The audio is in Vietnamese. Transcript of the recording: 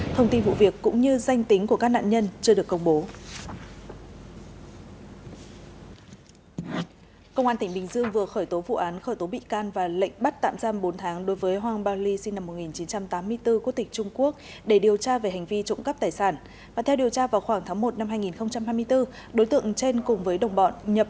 thông tin vụ việc cũng như danh tính của các nạn nhân chưa được công bố